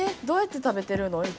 どうやって食べてるの？